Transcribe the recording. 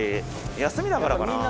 休みだからかな？